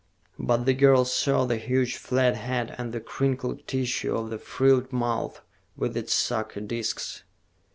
But the girl saw the huge flat head and the crinkled tissue of the frilled mouth with its sucker disks.